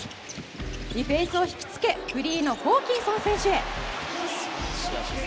ディフェンスを引きつけフリーのホーキンソン選手へ。